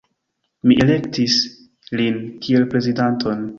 Mi elektis lin kiel prezidanton.